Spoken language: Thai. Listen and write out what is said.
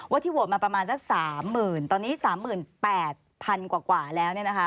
ว่าที่โหวตมาประมาณสักสามหมื่นตอนนี้สามหมื่นแปดพันกว่าแล้วเนี่ยนะคะ